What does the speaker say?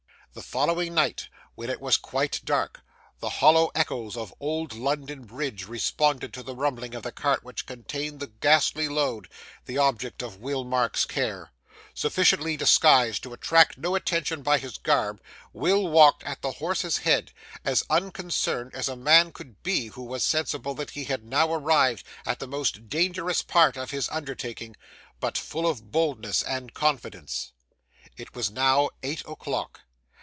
The following night, when it was quite dark, the hollow echoes of old London Bridge responded to the rumbling of the cart which contained the ghastly load, the object of Will Marks' care. Sufficiently disguised to attract no attention by his garb, Will walked at the horse's head, as unconcerned as a man could be who was sensible that he had now arrived at the most dangerous part of his undertaking, but full of boldness and confidence. It was now eight o'clock.